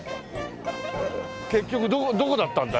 結局どこだったんだい？